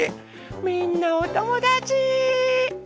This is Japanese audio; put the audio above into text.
みんなおともだち。